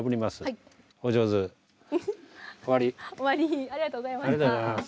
ありがとうございます。